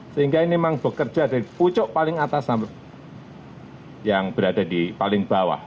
sehingga ini memang bekerja dari pucuk paling atas yang berada di paling bawah